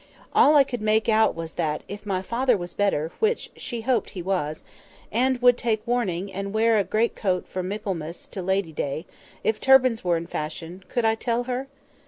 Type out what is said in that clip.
All I could make out was that, if my father was better (which she hoped he was), and would take warning and wear a great coat from Michaelmas to Lady day, if turbans were in fashion, could I tell her?